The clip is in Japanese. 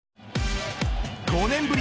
５年ぶり